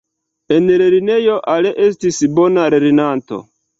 En lernejo, Alain estis bona lernanto.